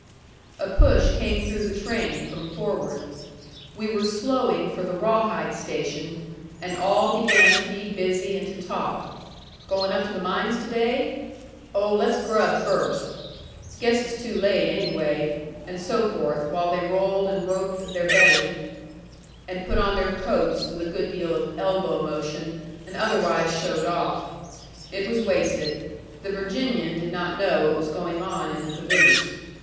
A push came through the train from forward. We were slowing for the Rawhide station, and all began to be busy and to talk. "Going up to the mines to day?" "Oh, let's grub first." "Guess it's too late, anyway." And so forth; while they rolled and roped their bedding, and put on their coats with a good deal of elbow motion, and otherwise showed off. It was wasted. The Virginian did not know what was going on in the caboose.